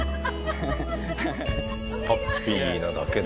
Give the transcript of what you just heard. ハッピーなだけだ。